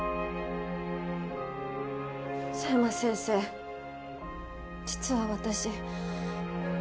佐山先生実は私。